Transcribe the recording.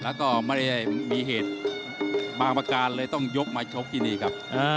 แล้วก็ไม่ได้มีเหตุบางประการเลยต้องยกมาชกที่นี่ครับ